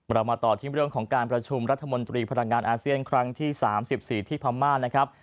เรามาต่อที่เรื่องของการประชุมรัฐมนตรีพลังงานอาเซียนครั้งที่๓๔ที่พม่านะครับ